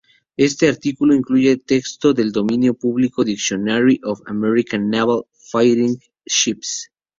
Este artículo incluye texto del dominio público Dictionary of American Naval Fighting Ships.